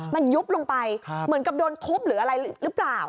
มันยุบลงไปเหมือนกับโดนทุบหรืออะไรหรือเปล่า